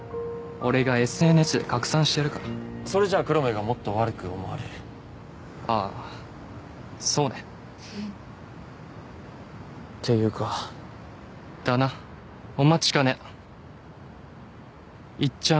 俺がＳＮＳで拡散してやるからそれじゃあ黒目がもっと悪く思われるああーそうねっていうかだなお待ちかねいっちゃん